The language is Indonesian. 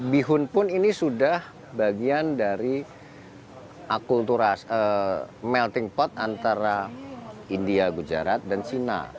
bihun pun ini sudah bagian dari melting pot antara india gujarat dan cina